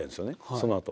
そのあと。